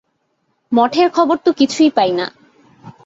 মঠের খবর তো কিছুই পাই না।